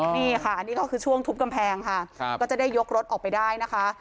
นี่ค่ะอันนี้ก็คือช่วงทุบกำแพงค่ะก็จะได้ยกรถออกไปได้นะคะ